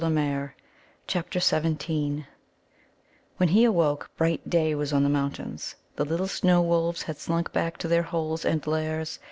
CHAPTER XVII When he awoke, bright day was on the mountains. The little snow wolves had slunk back to their holes and lairs.